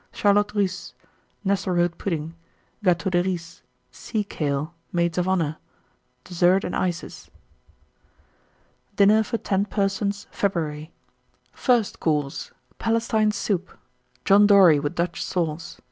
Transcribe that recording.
Charlotte Russe. Nesselrode Pudding. Gâteau de Riz. Sea kale. Maids of Honour. DESSERT AND ICES. 1911. DINNER FOR 10 PERSONS (February). FIRST COURSE. Palestine Soup. John Dory, with Dutch Sauce.